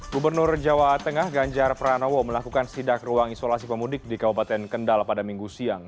gubernur jawa tengah ganjar pranowo melakukan sidak ruang isolasi pemudik di kabupaten kendal pada minggu siang